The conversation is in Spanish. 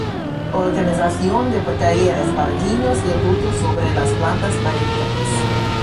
Organización de talleres para niños y adultos sobre las plantas marítimas.